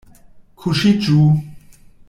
Kuŝiĝu!